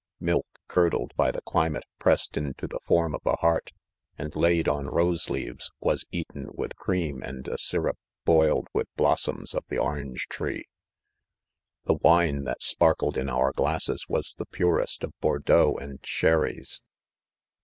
( 6 ) Milk, curdled by the climate, pressed into the form of a heart,, and laid on rose leaves, was eaten with cream and a syrup boiled with blossoms of the orange tree. The wine that sparlded in our glasses was the purest of Bordeaux and Xeres.